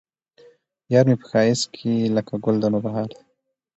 يار مې په ښايست کې لکه ګل د نوبهار دى